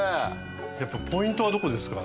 やっぱポイントはどこですか？